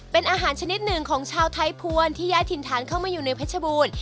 เป็นอาหารชนิดหนึ่งของชาวไทยภวรที่ย้ายถิ่นฐานเข้ามาอยู่ในเพชรบูรณ์